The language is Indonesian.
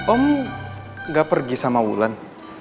om gak pergi sama wulan